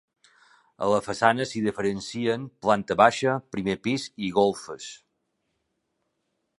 A la façana s'hi diferencien planta baixa, primer pis i golfes.